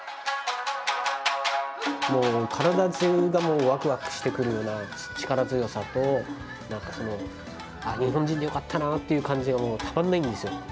もう体中がワクワクしてくるような力強さと日本人でよかったなという感じがたまらないんですよ。